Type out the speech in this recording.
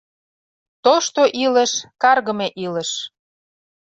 Тошто илыш — каргыме илыш!